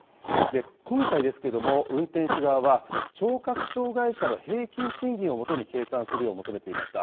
今回ですけども、運転手側は、聴覚障害者の平均賃金をもとに計算するよう求めていました。